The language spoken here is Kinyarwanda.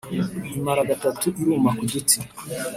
imara gatatu iruma ku duti !